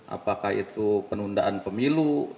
apakah itu penundaan pemilu